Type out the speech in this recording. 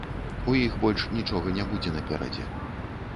У іх больш нічога не будзе наперадзе.